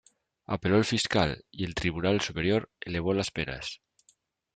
Apeló el fiscal y el Tribunal superior elevó las penas.